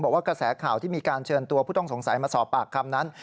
กระแสข่าวที่มีการเชิญตัวผู้ต้องสงสัยมาสอบปากคำนั้น